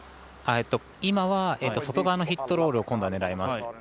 今は外側のヒットロールを今度は狙います。